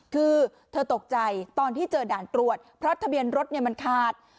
คือเธอตกใจตอนที่เจอด่านตรวจเพราะทะเบียนรถมันขาด